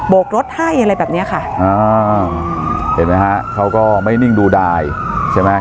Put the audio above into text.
กรถให้อะไรแบบเนี้ยค่ะอ่าเห็นไหมฮะเขาก็ไม่นิ่งดูดายใช่ไหม